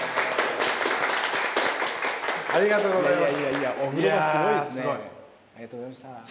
ありがとうございます。